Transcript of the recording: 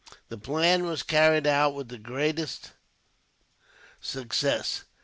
The plan was carried out with the greatest success.